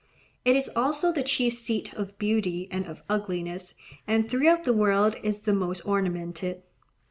It is also the chief seat of beauty and of ugliness, and throughout the world is the most ornamented.